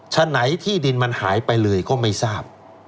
ฉะไหนที่ดินมันหายไปเลยก็ไม่ทราบ